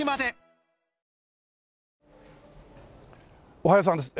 おはようさんです。